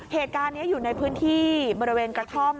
เหตุการณ์นี้อยู่ในพื้นที่บริเวณกระท่อม